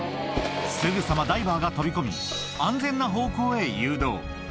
すぐさまダイバーが飛び込み、安全な方向へ誘導。